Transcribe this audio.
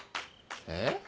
えっ？